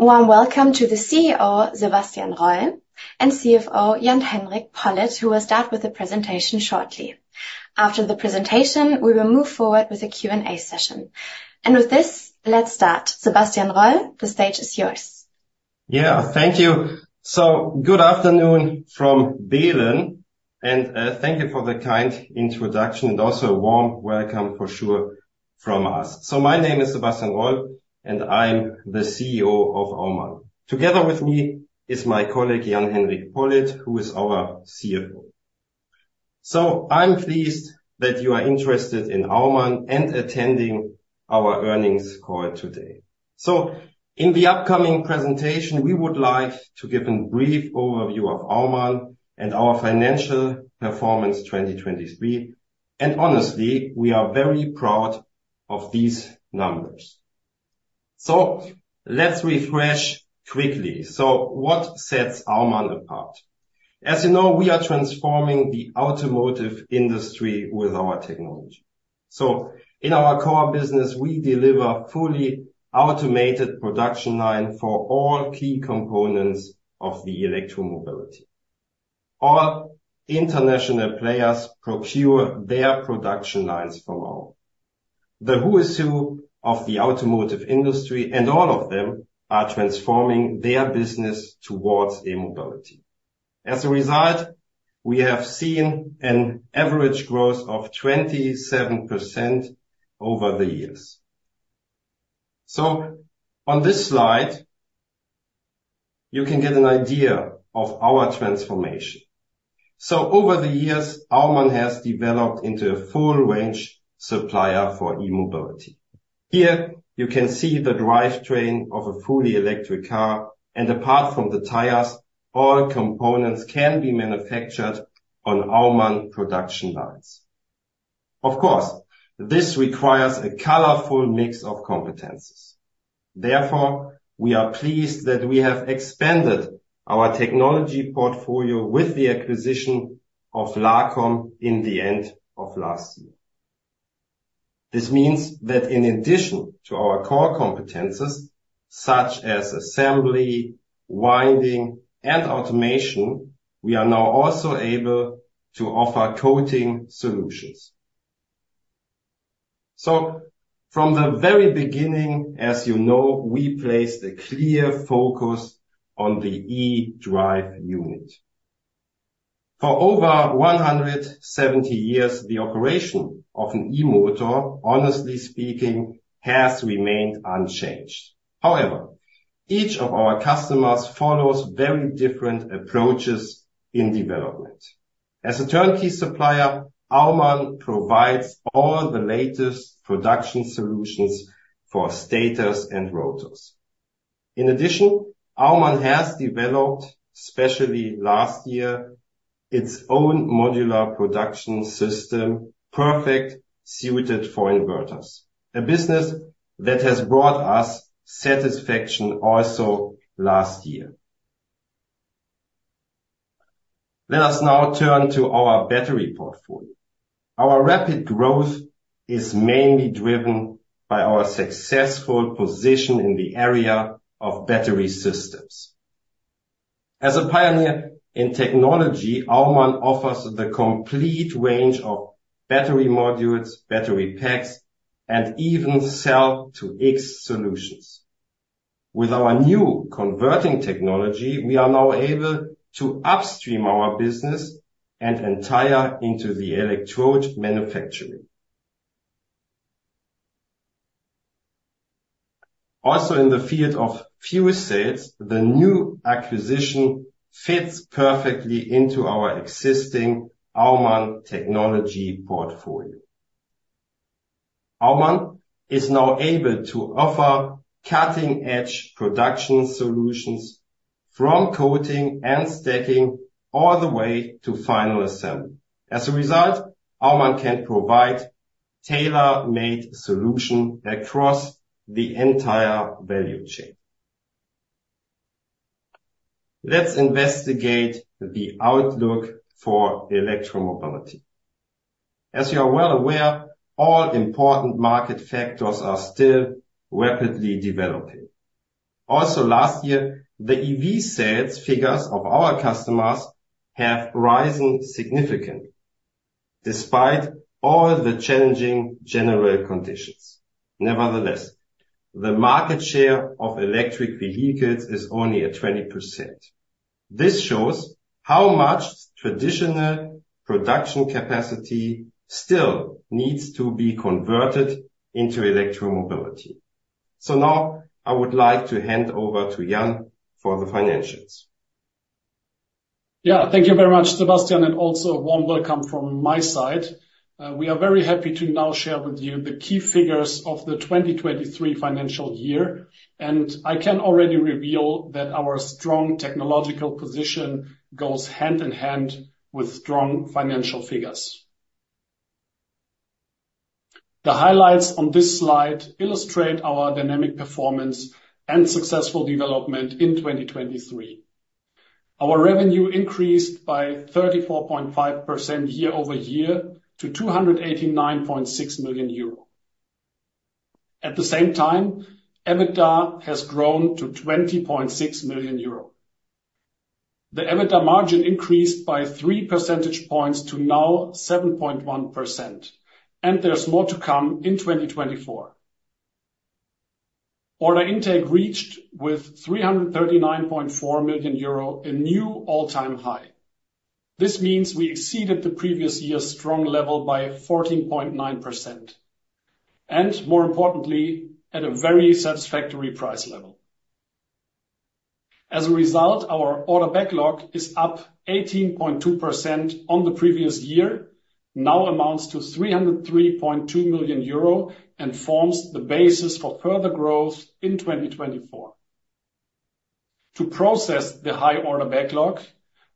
Warm welcome to the CEO, Sebastian Roll, and CFO, Jan-Henrik Pollitt, who will start with the presentation shortly. After the presentation, we will move forward with a Q&A session. With this, let's start. Sebastian Roll, the stage is yours. Thank you. Good afternoon from Berlin, and thank you for the kind introduction, and also a warm welcome for sure from us. My name is Sebastian Roll, and I'm the CEO of Aumann. Together with me is my colleague, Jan-Henrik Pollitt, who is our CFO. I'm pleased that you are interested in Aumann and attending our earnings call today. In the upcoming presentation, we would like to give a brief overview of Aumann and our financial performance 2023. Honestly, we are very proud of these numbers. Let's refresh quickly. What sets Aumann apart? As you know, we are transforming the automotive industry with our technology. In our core business, we deliver fully automated production lines for all key components of the electromobility. All international players procure their production lines from Aumann. The who is who of the automotive industry, and all of them are transforming their business towards e-mobility. As a result, we have seen an average growth of 27% over the years. So on this slide, you can get an idea of our transformation. So over the years, Aumann has developed into a full-range supplier for e-mobility. Here, you can see the drivetrain of a fully electric car, and apart from the tires, all components can be manufactured on Aumann production lines. Of course, this requires a colorful mix of competencies. Therefore, we are pleased that we have expanded our technology portfolio with the acquisition of LACOM in the end of last year. This means that in addition to our core competencies, such as assembly, winding, and automation, we are now also able to offer coating solutions. So from the very beginning, as you know, we placed a clear focus on the e-drive unit. For over 170 years, the operation of an e-motor, honestly speaking, has remained unchanged. However, each of our customers follows very different approaches in development. As a turnkey supplier, Aumann provides all the latest production solutions for stators and rotors. In addition, Aumann has developed, especially last year, its own modular production system, perfectly suited for inverters, a business that has brought us satisfaction also last year. Let us now turn to our battery portfolio. Our rapid growth is mainly driven by our successful position in the area of battery systems. As a pioneer in technology, Aumann offers the complete range of battery modules, battery packs, and even cell-to-X solutions. With our new converting technology, we are now able to upstream our business and enter into the electrode manufacturing. Also in the field of fuel cells, the new acquisition fits perfectly into our existing Aumann technology portfolio. Aumann is now able to offer cutting-edge production solutions from coating and stacking all the way to final assembly. As a result, Aumann can provide tailor-made solutions across the entire value chain. Let's investigate the outlook for electromobility. As you are well aware, all important market factors are still rapidly developing. Also last year, the EV sales figures of our customers have risen significantly despite all the challenging general conditions. Nevertheless, the market share of electric vehicles is only at 20%. This shows how much traditional production capacity still needs to be converted into electromobility. So now I would like to hand over to Jan for the financials. Yeah, thank you very much, Sebastian, and also a warm welcome from my side. We are very happy to now share with you the key figures of the 2023 financial year. I can already reveal that our strong technological position goes hand in hand with strong financial figures. The highlights on this slide illustrate our dynamic performance and successful development in 2023. Our revenue increased by 34.5% year-over-year to 289.6 million euro. At the same time, EBITDA has grown to 20.6 million euro. The EBITDA margin increased by 3 percentage points to now 7.1%. There's more to come in 2024. Order intake reached with 339.4 million euro, a new all-time high. This means we exceeded the previous year's strong level by 14.9%. More importantly, at a very satisfactory price level. As a result, our order backlog is up 18.2% on the previous year, now amounts to 303.2 million euro and forms the basis for further growth in 2024. To process the high order backlog,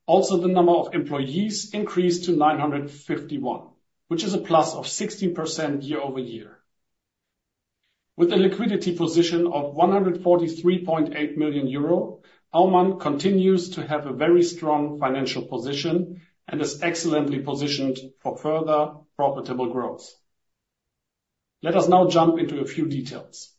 also the number of employees increased to 951, which is a plus of 16% year-over-year. With a liquidity position of 143.8 million euro, Aumann continues to have a very strong financial position and is excellently positioned for further profitable growth. Let us now jump into a few details.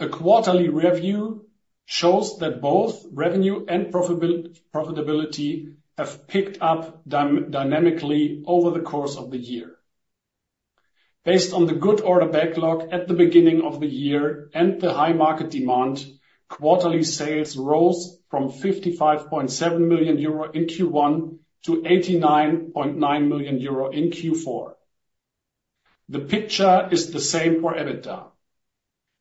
A quarterly review shows that both revenue and profitability have picked up dynamically over the course of the year. Based on the good order backlog at the beginning of the year and the high market demand, quarterly sales rose from 55.7 million euro in Q1 to 89.9 million euro in Q4. The picture is the same for EBITDA.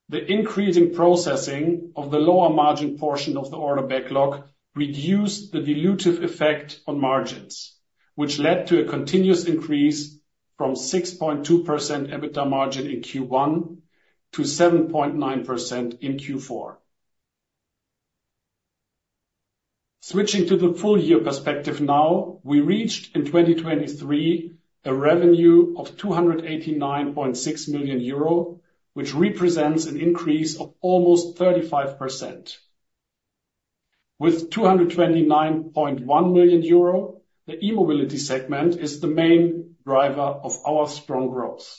The increasing processing of the lower margin portion of the order backlog reduced the dilutive effect on margins, which led to a continuous increase from 6.2% EBITDA margin in Q1 to 7.9% in Q4. Switching to the full-year perspective now, we reached in 2023 a revenue of 289.6 million euro, which represents an increase of almost 35%. With 229.1 million euro, the e-mobility segment is the main driver of our strong growth.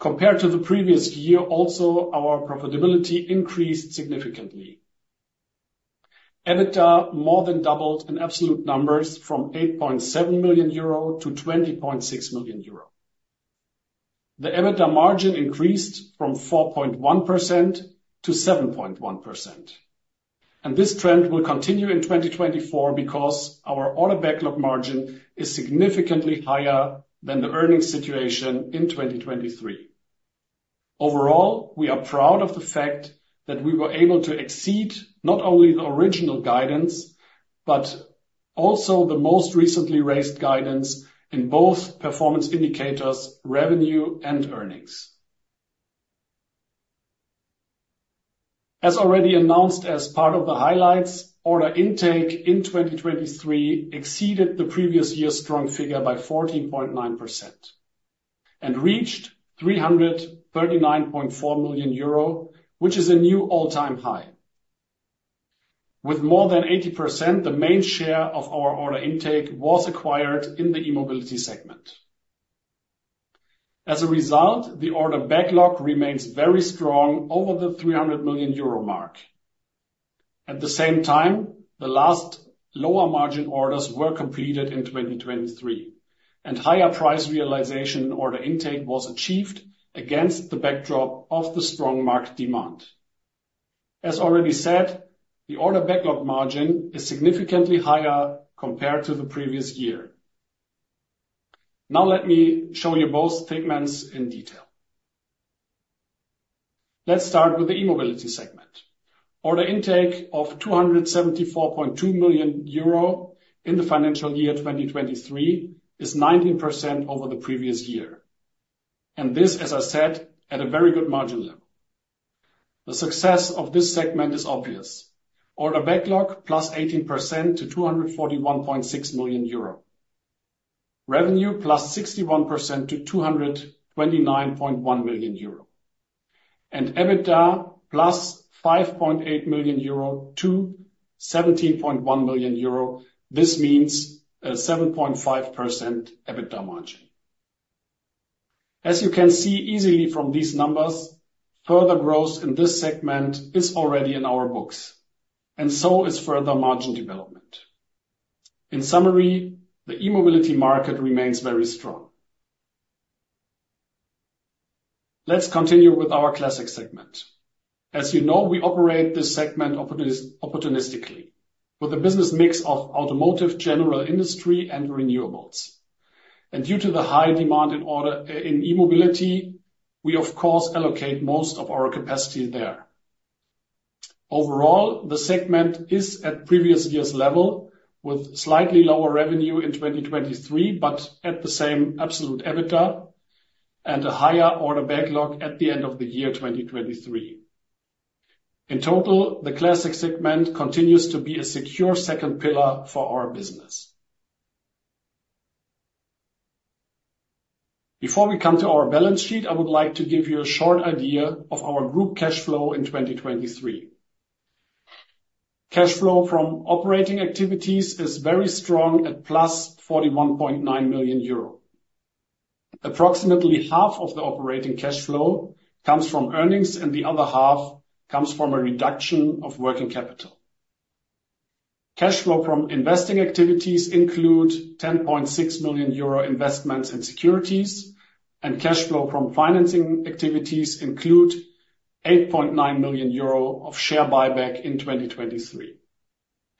Compared to the previous year, also our profitability increased significantly. EBITDA more than doubled in absolute numbers from 8.7 million euro to 20.6 million euro. The EBITDA margin increased from 4.1% to 7.1%. This trend will continue in 2024 because our order backlog margin is significantly higher than the earnings situation in 2023. Overall, we are proud of the fact that we were able to exceed not only the original guidance, but also the most recently raised guidance in both performance indicators, revenue, and earnings. As already announced as part of the highlights, order intake in 2023 exceeded the previous year's strong figure by 14.9% and reached 339.4 million euro, which is a new all-time high. With more than 80%, the main share of our order intake was acquired in the e-mobility segment. As a result, the order backlog remains very strong over the 300 million euro mark. At the same time, the last lower margin orders were completed in 2023, and higher price realization in order intake was achieved against the backdrop of the strong market demand. As already said, the order backlog margin is significantly higher compared to the previous year. Now let me show you both statements in detail. Let's start with the e-mobility segment. Order intake of 274.2 million euro in the financial year 2023 is 19% over the previous year. And this, as I said, at a very good margin level. The success of this segment is obvious. Order backlog plus 18% to 241.6 million euro. Revenue plus 61% to 229.1 million euro. And EBITDA plus 5.8 million euro to 17.1 million euro. This means a 7.5% EBITDA margin. As you can see easily from these numbers, further growth in this segment is already in our books. And so is further margin development. In summary, the e-mobility market remains very strong. Let's continue with our classic segment. As you know, we operate this segment opportunistically with a business mix of automotive, general industry, and renewables. And due to the high demand in e-mobility, we, of course, allocate most of our capacity there. Overall, the segment is at previous year's level with slightly lower revenue in 2023, but at the same absolute EBITDA and a higher order backlog at the end of the year 2023. In total, the Classic segment continues to be a secure second pillar for our business. Before we come to our balance sheet, I would like to give you a short idea of our group cash flow in 2023. Cash flow from operating activities is very strong at plus 41.9 million euro. Approximately half of the operating cash flow comes from earnings, and the other half comes from a reduction of working capital. Cash flow from investing activities includes 10.6 million euro investments in securities, and cash flow from financing activities includes 8.9 million euro of share buyback in 2023.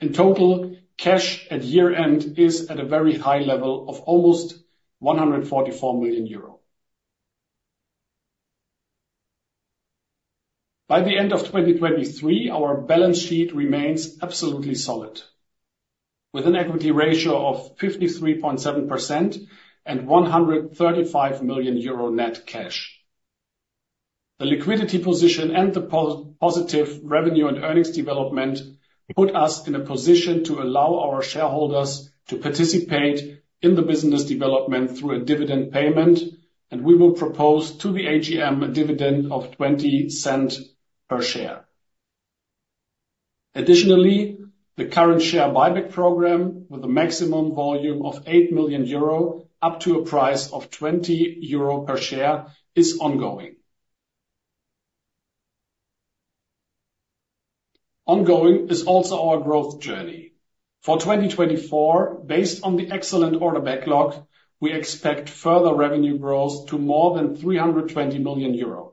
In total, cash at year-end is at a very high level of almost 144 million euro. By the end of 2023, our balance sheet remains absolutely solid with an equity ratio of 53.7% and 135 million euro net cash. The liquidity position and the positive revenue and earnings development put us in a position to allow our shareholders to participate in the business development through a dividend payment, and we will propose to the AGM a dividend of 0.20 per share. Additionally, the current share buyback program with a maximum volume of 8 million euro up to a price of 20 euro per share is ongoing. Ongoing is also our growth journey. For 2024, based on the excellent order backlog, we expect further revenue growth to more than 320 million euro.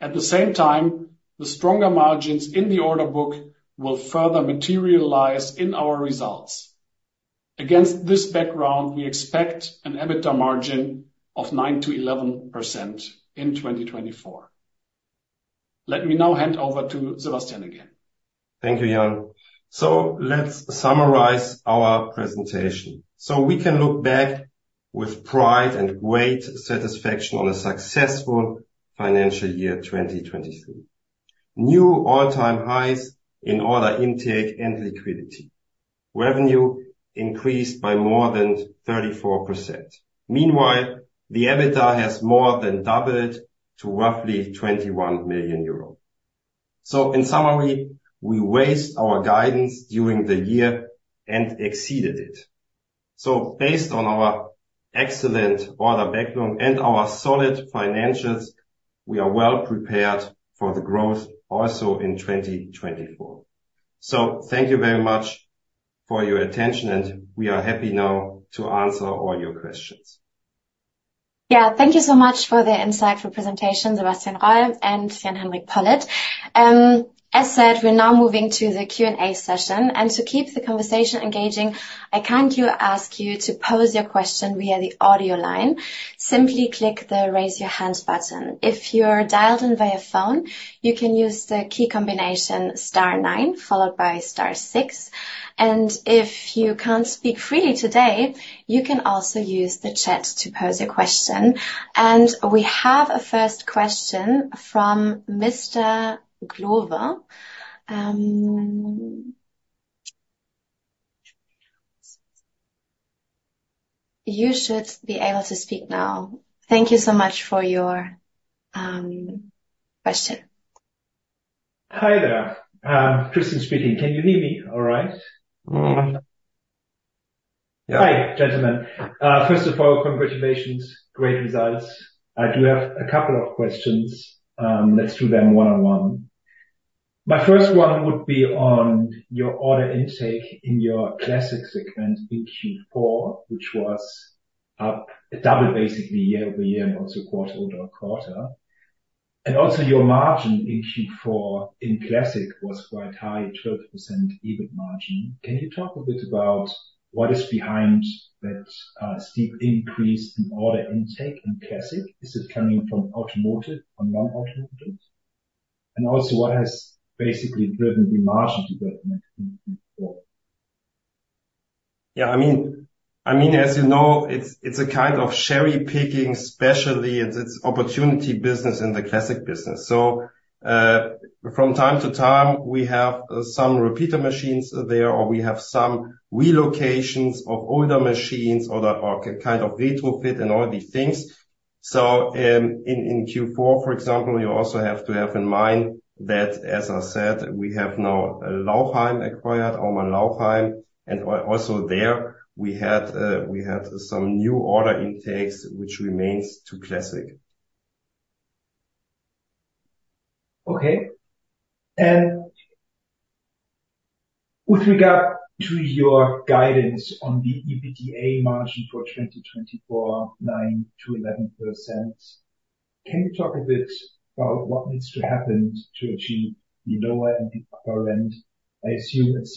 At the same time, the stronger margins in the order book will further materialize in our results. Against this background, we expect an EBITDA margin of 9% to 11% in 2024. Let me now hand over to Sebastian again. Thank you, Jan. So let's summarize our presentation. So we can look back with pride and great satisfaction on a successful financial year 2023. New all-time highs in order intake and liquidity. Revenue increased by more than 34%. Meanwhile, the EBITDA has more than doubled to roughly 21 million euros. So in summary, we raised our guidance during the year and exceeded it. So based on our excellent order backlog and our solid financials, we are well prepared for the growth also in 2024. So thank you very much for your attention, and we are happy now to answer all your questions. Yeah, thank you so much for the insightful presentation, Sebastian Roll and Jan-Henrik Pollitt, as said. We're now moving to the Q&A session. To keep the conversation engaging, I kindly ask you to pose your question via the audio line. Simply click the "Raise Your Hand" button. If you're dialed in via phone, you can use the key combination star nine followed by star six. If you can't speak freely today, you can also use the chat to pose a question. We have a first question from Mr. Glowa. You should be able to speak now. Thank you so much for your question. Hi there. Christian speaking. Can you hear me all right? Yeah. Hi, gentlemen. First of all, congratulations. Great results. I do have a couple of questions. Let's do them one on one. My first one would be on your order intake in your Classic segment in Q4, which was up double, basically, year-over-year and also quarter-over-quarter. And also your margin in Q4 in Classic was quite high, 12% EBIT margin. Can you talk a bit about what is behind that steep increase in order intake in Classic? Is it coming from automotive or non-automotive? And also what has basically driven the margin development in Q4? Yeah, I mean, as you know, it's a kind of cherry-picking, especially it's opportunity business in the classic business. So from time to time, we have some repeater machines there or we have some relocations of older machines or kind of retrofit and all these things. So in Q4, for example, you also have to have in mind that, as I said, we have now Lauchheim acquired, Aumann Lauchheim. And also there, we had some new order intakes, which remains to classic. Okay. And with regard to your guidance on the EBITDA margin for 2024, 9% to 11%, can you talk a bit about what needs to happen to achieve the lower and the upper end? I assume it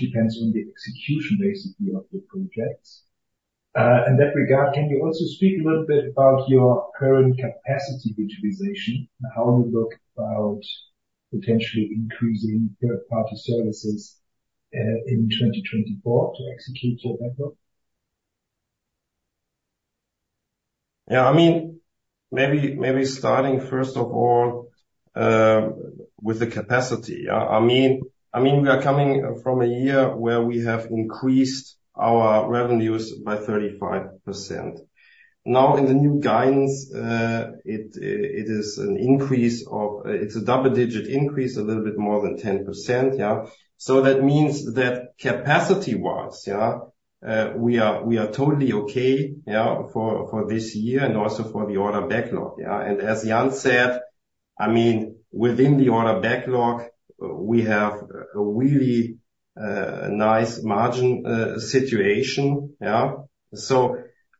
depends on the execution, basically, of the projects. In that regard, can you also speak a little bit about your current capacity utilization, how you look about potentially increasing third-party services in 2024 to execute your backlog? Yeah, I mean, maybe starting, first of all, with the capacity. I mean, we are coming from a year where we have increased our revenues by 35%. Now, in the new guidance, it is an increase of; it's a double-digit increase, a little bit more than 10%. So that means that capacity-wise, we are totally okay for this year and also for the order backlog. And as Jan said, I mean, within the order backlog, we have a really nice margin situation. So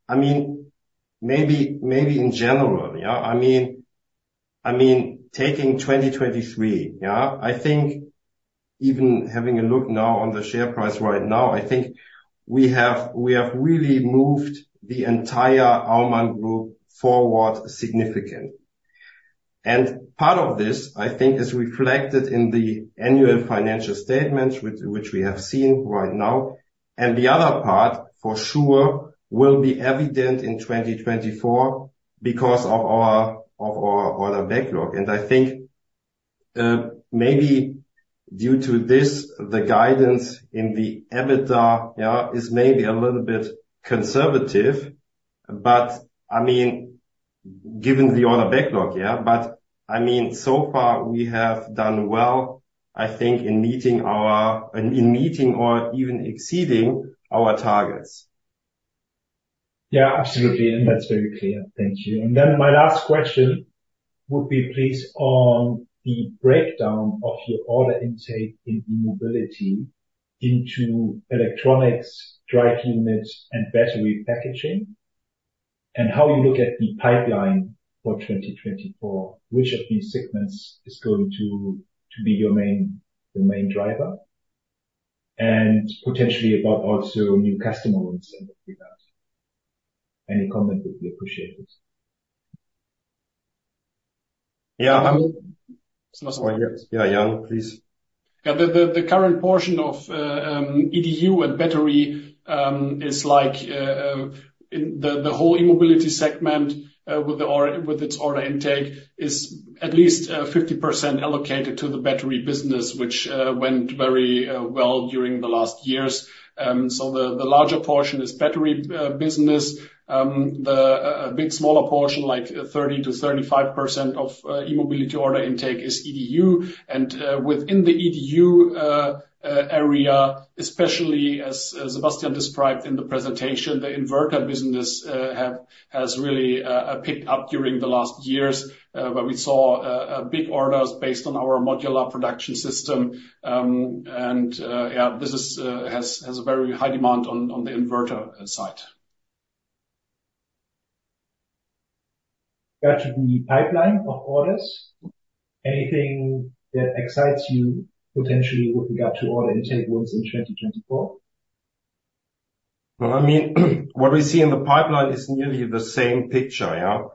I mean, maybe in general, I mean, taking 2023, I think even having a look now on the share price right now, I think we have really moved the entire Aumann Group forward significantly. And part of this, I think, is reflected in the annual financial statements, which we have seen right now. The other part, for sure, will be evident in 2024 because of our order backlog. I think maybe due to this, the guidance in the EBITDA is maybe a little bit conservative. I mean, given the order backlog, but I mean, so far, we have done well, I think, in meeting our or even exceeding our targets. Yeah, absolutely. That's very clear. Thank you. Then my last question would be, please, on the breakdown of your order intake in e-mobility into electronics, drive units, and battery packaging, and how you look at the pipeline for 2024, which of these segments is going to be your main driver, and potentially about also new customers in that regard. Any comment would be appreciated. Yeah, Jan, please. Yeah, the current portion of EDU and battery is like the whole e-mobility segment with its order intake is at least 50% allocated to the battery business, which went very well during the last years. So the larger portion is battery business. The big smaller portion, like 30%-35% of e-mobility order intake, is EDU. And within the EDU area, especially as Sebastian described in the presentation, the inverter business has really picked up during the last years where we saw big orders based on our modular production system. And yeah, this has a very high demand on the inverter side. Got to the pipeline of orders. Anything that excites you potentially with regard to order intake once in 2024? Well, I mean, what we see in the pipeline is nearly the same picture.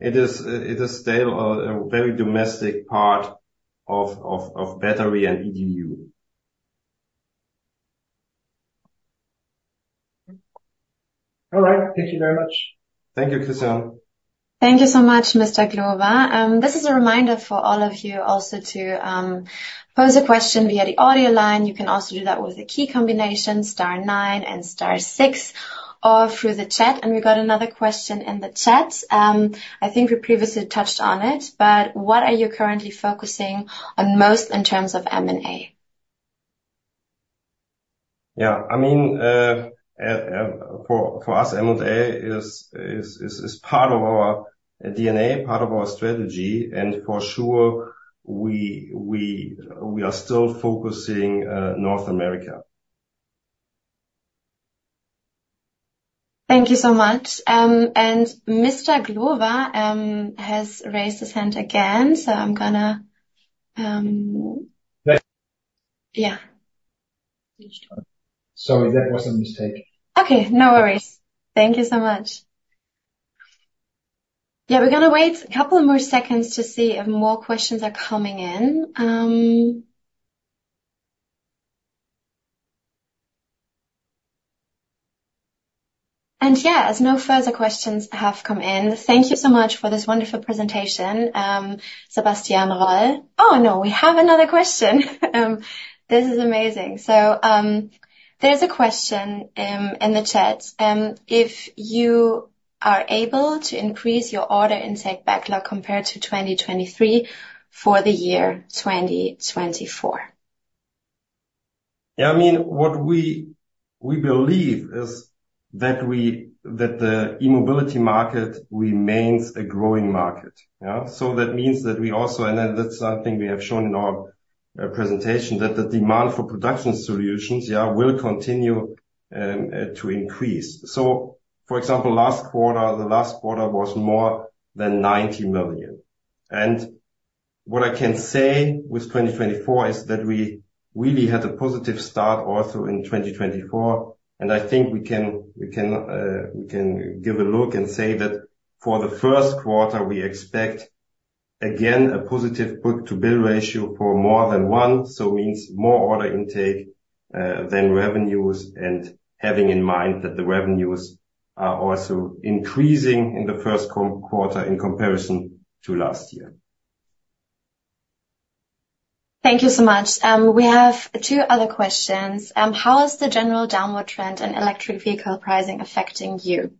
It is still a very domestic part of battery and EDU. All right. Thank you very much. Thank you, Christian. Thank you so much, Mr. Glowa. This is a reminder for all of you also to pose a question via the audio line. You can also do that with the key combination star nine and star six or through the chat. And we got another question in the chat. I think we previously touched on it, but what are you currently focusing on most in terms of M&A? M&A is part of our DNA, part of our strategy. For sure, we are still focusing North America. Thank you so much. Mr. Glowa has raised his hand again, so I'm going to. Yeah. Sorry, that was a mistake. Okay, no worries. Thank you so much. Yeah, we're going to wait a couple more seconds to see if more questions are coming in. And yeah, as no further questions have come in, thank you so much for this wonderful presentation, Sebastian Roll. Oh, no, we have another question. This is amazing. So there's a question in the chat. If you are able to increase your order intake backlog compared to 2023 for the year 2024? What we believe is that the e-mobility market remains a growing market. So that means that we also and that's something we have shown in our presentation, that the demand for production solutions will continue to increase. So for example, last quarter, the last quarter was more than 90 million. And what I can say with 2024 is that we really had a positive start also in 2024. And I think we can give a look and say that for the Q1, we expect, again, a positive book-to-bill ratio for more than one. So means more order intake than revenues and having in mind that the revenues are also increasing in the Q1 in comparison to last year. Thank you so much. We have two other questions. How is the general downward trend in electric vehicle pricing affecting you?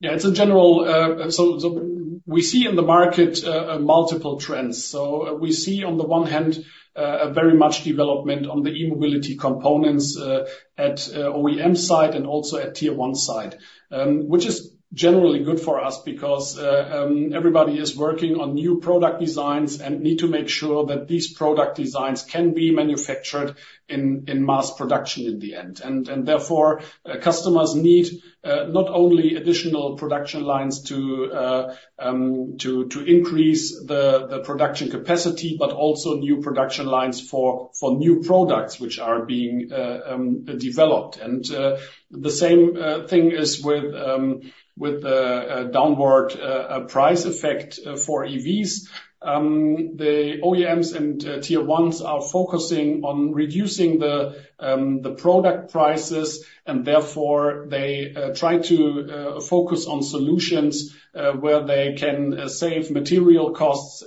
It's general, so we see in the market multiple trends. So we see, on the one hand, a very much development on the e-mobility components at OEM side and also at tier one side, which is generally good for us because everybody is working on new product designs and need to make sure that these product designs can be manufactured in mass production in the end. Therefore, customers need not only additional production lines to increase the production capacity, but also new production lines for new products, which are being developed. And the same thing is with the downward price effect for EVs. The OEMs and tier ones are focusing on reducing the product prices. And therefore, they try to focus on solutions where they can save material costs.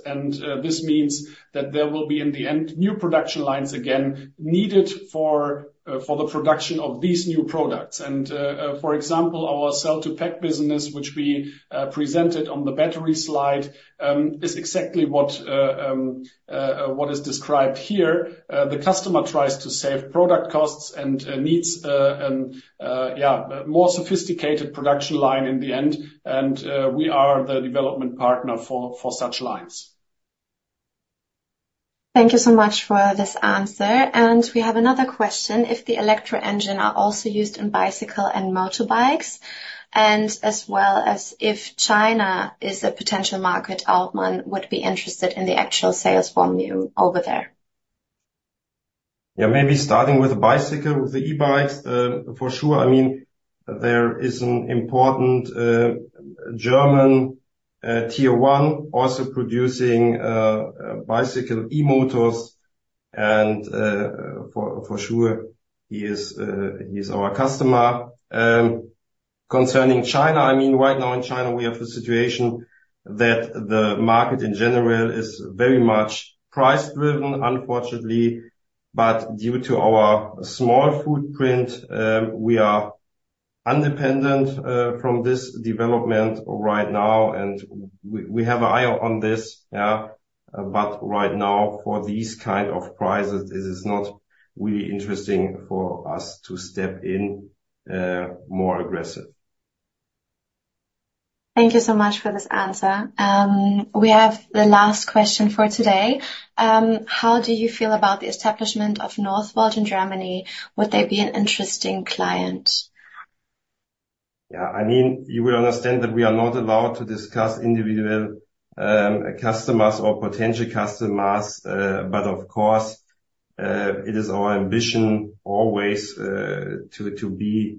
This means that there will be, in the end, new production lines again needed for the production of these new products. For example, our cell-to-pack business, which we presented on the battery slide, is exactly what is described here. The customer tries to save product costs and needs, yeah, a more sophisticated production line in the end. We are the development partner for such lines. Thank you so much for this answer. We have another question. If the electric engines are also used in bicycles and motorbikes, and as well as if China is a potential market, Aumann would be interested in the actual sales volume over there. Maybe starting with the bicycle, with the e-bikes, for sure. I mean, there is an important German tier one also producing bicycle e-motors. And for sure, he is our customer. Concerning China, I mean, right now in China, we have a situation that the market in general is very much price-driven, unfortunately. But due to our small footprint, we are independent from this development right now. And we have an eye on this. But right now, for these kind of prices, it is not really interesting for us to step in more aggressively. Thank you so much for this answer. We have the last question for today. How do you feel about the establishment of Northvolt in Germany? Would they be an interesting client? You will understand that we are not allowed to discuss individual customers or potential customers. But of course, it is our ambition always to be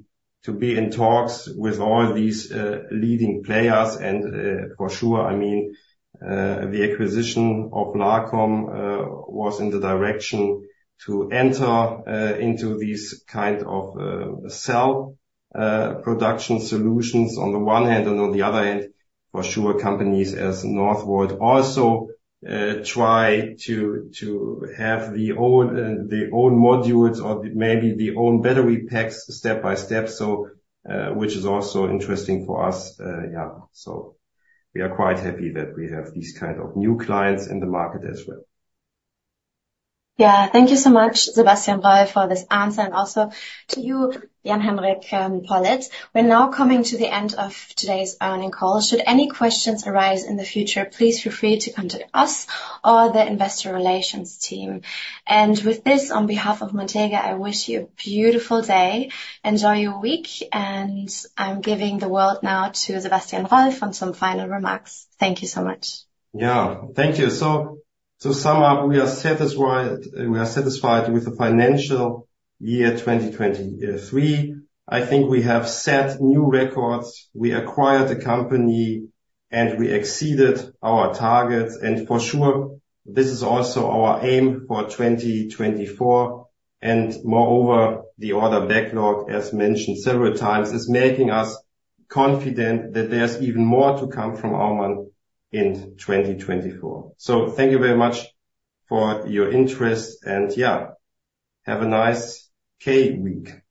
in talks with all these leading players. And for sure, I mean, the acquisition of LACOM was in the direction to enter into these kind of cell production solutions on the one hand. And on the other hand, for sure, companies as Northvolt also try to have the own modules or maybe the own battery packs step by step, which is also interesting for us. Yeah, so we are quite happy that we have these kind of new clients in the market as well. Yeah, thank you so much, Sebastian Roll, for this answer. And also to you, Jan-Henrik Pollitt. We're now coming to the end of today's earnings call. Should any questions arise in the future, please feel free to contact us or the investor relations team. And with this, on behalf of Montega, I wish you a beautiful day. Enjoy your week. And I'm giving the word now to Sebastian Roll for some final remarks. Thank you so much. Thank you. So to sum up, we are satisfied with the financial year 2023. I think we have set new records. We acquired a company, and we exceeded our targets. And for sure, this is also our aim for 2024. And moreover, the order backlog, as mentioned several times, is making us confident that there's even more to come from Aumann in 2024. So thank you very much for your interest. And yeah, have a nice K-week.